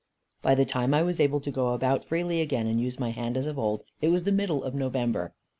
By the time I was able to go about freely again and use my hand as of old, it was the middle of November.